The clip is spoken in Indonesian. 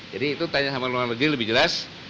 jadi itu tanya sama luar negeri lebih jelas